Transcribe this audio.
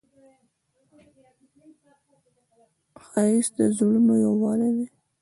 ښایست د زړونو یووالی دی